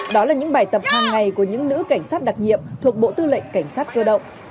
đó là những bài tập hàng ngày của những nữ cảnh sát đặc nhiệm thuộc bộ tư lệnh cảnh sát cơ động